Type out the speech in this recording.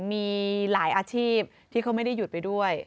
มีหลายอาชีพที่เขาไม่ได้หยุดไปด้วย